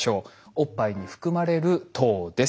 おっぱいに含まれる糖です。